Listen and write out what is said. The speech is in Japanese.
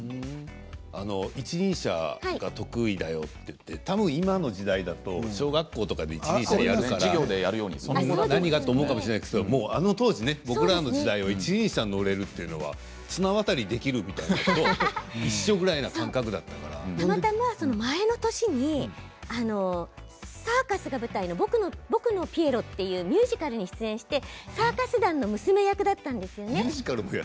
一輪車、得意だよと言って今の時代だと小学校とかでやるから何が？と思うかもしれないけれどあの当時僕らの時代は１年生で乗れるというのは綱渡りができるたまたま前の年にサーカスが舞台の「僕のピエロ」というミュージカルに出演してサーカス団の娘役だったんです。